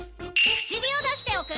口火を出しておく。